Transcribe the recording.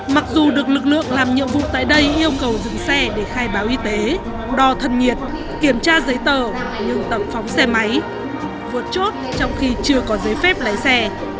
mặc dù được lực lượng làm nhiệm vụ tại đây yêu cầu dừng xe để khai báo y tế đo thân nhiệt kiểm tra giấy tờ nhưng tầm phóng xe máy vượt chốt trong khi chưa có giấy phép lái xe